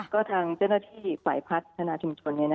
ก็ทางเจ้าหน้าที่ฝ่ายพัฒนาชุมชน